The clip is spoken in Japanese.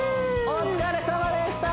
お疲れさまでした